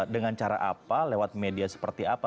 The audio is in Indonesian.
dengan cara apa lewat media seperti apa